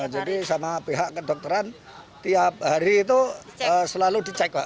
jadi sama pihak kedokteran tiap hari itu selalu dicek pak